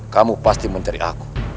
kamu pasti mencari aku